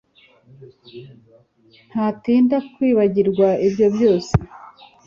ntatinda kwibagirwa ibyo byose.